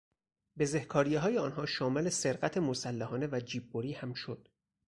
بزهکاری آنها شامل سرقت مسلحانه و جیببری هم شد.